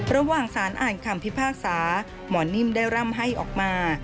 ระหว่างสารอ่านคำพิพากษาหมอนิ่มได้ร่ำให้ออกมา